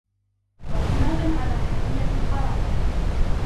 وَاعْتِمَادًا عَلَى حَمِيَّةٍ الْقَرَابَةِ